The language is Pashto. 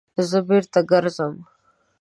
_زه بېرته ګرځم.